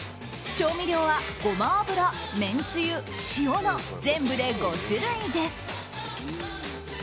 調味料はゴマ油、めんつゆ塩の全部で５種類です。